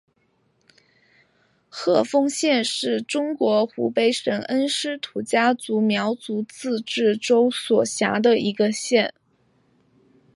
鹤峰县是中国湖北省恩施土家族苗族自治州所辖的一个县。